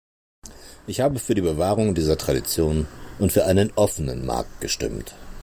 Ich habe für die Bewahrung dieser Tradition und für einen offenen Markt gestimmt.